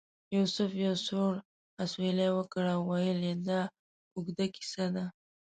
یوسف یو سوړ اسویلی وکړ او ویل یې دا اوږده کیسه ده.